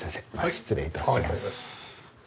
失礼いたします。